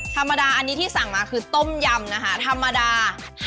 ธรรมดาอันนี้ที่สั่งมาคือต้มยำนะคะธรรมดา